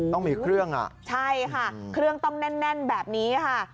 ต้องมีเครื่องอ่ะใช่ค่ะเครื่องต้องแน่นแบบนี้ค่ะ